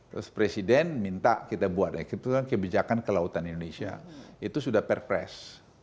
terus presiden minta kita buat kebijakan kelautan indonesia itu sudah perpres